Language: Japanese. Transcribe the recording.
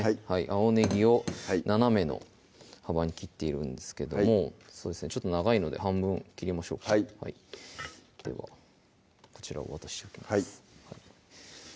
青ねぎを斜めの幅に切っているんですけどもちょっと長いので半分切りましょうではこちらを渡しておきますはい